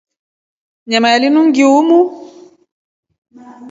Nyama ya linu ni ngiumu.